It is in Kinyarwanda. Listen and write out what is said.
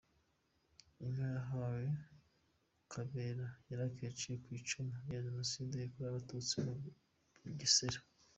Inka yahawe Kabera Karake wacitse ku icumu rya jenosede yakorewe Abatutsi mu Bisesero.